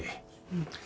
うん。